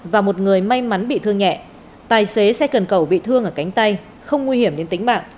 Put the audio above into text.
và một người may mắn bị thương nhạt